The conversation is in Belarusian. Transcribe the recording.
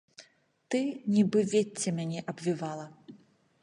Ты, нібы вецце, мяне абвівала.